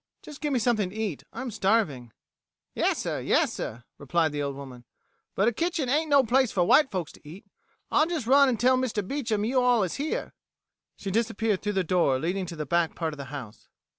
"Just give me something to eat. I'm starving." "Yassir, yassir," replied the old woman, "but a kitchen ain't no place for white folks to eat. I'll just run an' tell Mr. Beecham you all is here." She disappeared through the door leading to the back part of the house.